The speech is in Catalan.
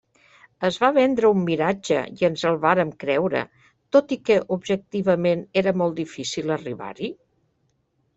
Es va vendre un miratge i ens el vàrem creure, tot i que, objectivament, era molt difícil arribar-hi?